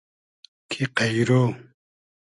کی قݷرۉ